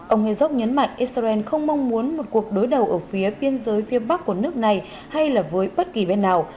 ông hezok nhấn mạnh israel không mong muốn một cuộc đối đầu ở phía biên giới phía bắc của nước này hay là với bất kỳ bên nào